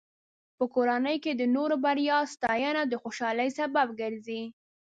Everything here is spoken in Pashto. په کورنۍ کې د نورو بریاوو ستاینه د خوشحالۍ سبب ګرځي.